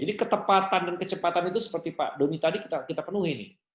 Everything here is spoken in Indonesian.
jadi ketepatan dan kecepatan itu seperti pak doni tadi kita penuhi nih